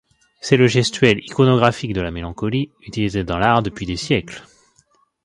C'est le gestuel iconographique de la mélancolie utilisé dans l'art depuis des siècles.